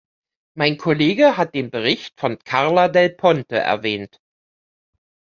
Mein Kollege hat den Bericht von Carla Del Ponte erwähnt.